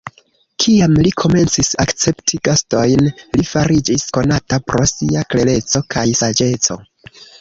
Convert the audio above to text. Kiam li komencis akcepti gastojn, li fariĝis konata pro sia klereco kaj saĝeco.